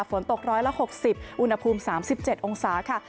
ฝนตก๑๖๐อุณหภูมิ๓๗องศาค่ะ